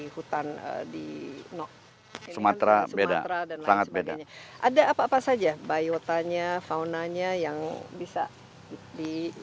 hutan di sumatera beda sangat bedanya ada apa apa saja biotanya faunanya yang bisa di